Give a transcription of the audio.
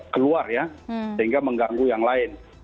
keluar ya sehingga mengganggu yang lain